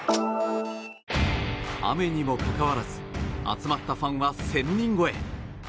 雨にもかかわらず集まったファンは１０００人超え。